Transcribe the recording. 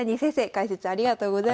解説ありがとうございました。